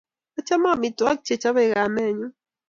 achame amitwogik che chapei kamenyu